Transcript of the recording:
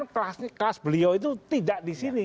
kelas beliau itu tidak di sini